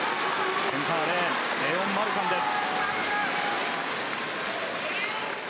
センターレーンはレオン・マルシャンです。